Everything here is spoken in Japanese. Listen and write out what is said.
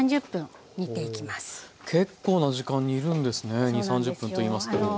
２０３０分といいますと。